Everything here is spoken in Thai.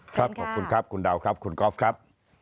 ขอบคุณครับคุณดาวครับคุณกอล์ฟครับ